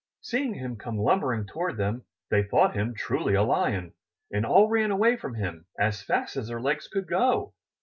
Seeing him come lumbering toward them, they thought him truly a Lion, and all ran away from him as fast as their legs could go.